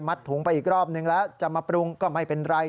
ถุงไปอีกรอบนึงแล้วจะมาปรุงก็ไม่เป็นไร